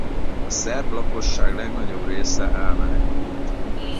A szerb lakosság legnagyobb része elmenekült.